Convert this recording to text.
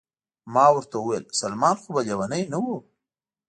ما ورته وویل: سلمان خو به لیونی نه و؟